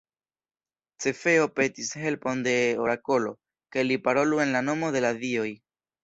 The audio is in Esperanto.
Cefeo petis helpon de orakolo, ke li parolu en la nomo de la dioj.